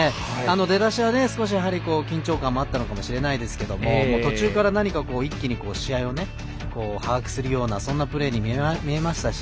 出だしは少し緊張感もあったのかもしれませんけど途中から何か一気に試合を把握するようなそんなプレーに見えましたし